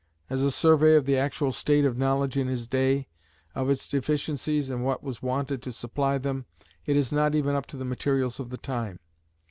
As a survey of the actual state of knowledge in his day, of its deficiencies, and what was wanted to supply them, it is not even up to the materials of the time.